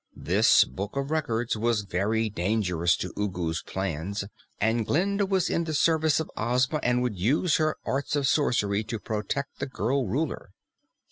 This Book of Records was very dangerous to Ugu's plans, and Glinda was in the service of Ozma and would use her arts of sorcery to protect the girl Ruler.